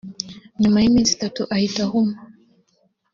nyuma y’iminsi itatu ahita ahuma